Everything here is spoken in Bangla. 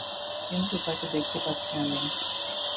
কিন্তু তাকে দেখতে পাচ্ছি আমি।